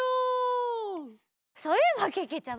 そういえばけけちゃま。